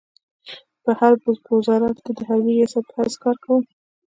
په حرب په وزارت کې د حربي رئيس په حیث کار کاوه.